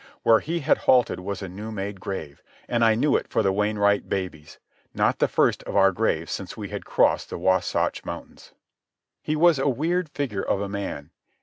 Where he had halted was a new made grave, and I knew it for the Wainwright baby's—not the first of our graves since we had crossed the Wasatch mountains. He was a weird figure of a man.